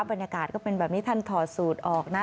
บรรยากาศก็เป็นแบบนี้ท่านถอดสูตรออกนะ